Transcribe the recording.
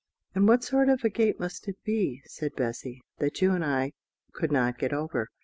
"And what sort of a gate must it be," said Bessy, "that you and I could not get over?"